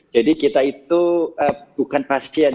jadi kita itu bukan pasien